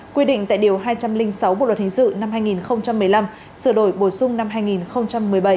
quy định tại điều hai trăm linh sáu bộ luật hình sự năm hai nghìn một mươi năm sửa đổi bổ sung năm hai nghìn một mươi bảy